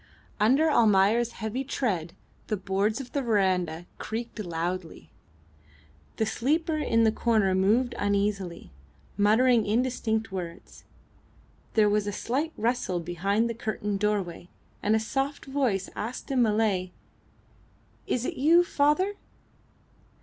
Under Almayer's heavy tread the boards of the verandah creaked loudly. The sleeper in the corner moved uneasily, muttering indistinct words. There was a slight rustle behind the curtained doorway, and a soft voice asked in Malay, "Is it you, father?"